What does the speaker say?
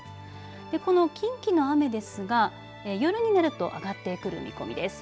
この近畿の雨ですが夜になると上がってくる見込みです。